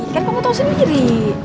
kan kamu tau sendiri